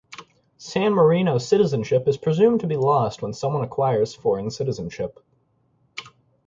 San Marino citizenship is presumed to be lost when someone acquires foreign citizenship.